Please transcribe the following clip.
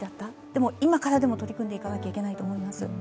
でも今からでも取り組んでいかなければと思います。